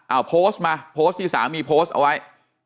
เอาโพสต์มาโพสต์ที่สามีโพสต์เอาไว้